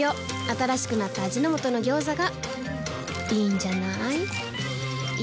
新しくなった味の素の「ギョーザ」がいいんじゃない？